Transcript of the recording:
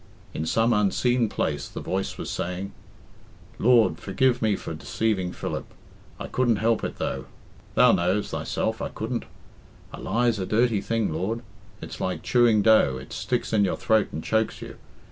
In some unseen place the voice was saying "Lord, forgive me for deceaving Philip. I couldn't help it, though; Thou knows, Thyself, I couldn't. A lie's a dirty thing, Lord. It's like chewing dough it sticks in your throat and chokes you.